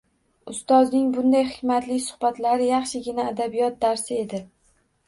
Ustozning bunday hikmatli suhbatlari yaxshigina adabiyot darsi edi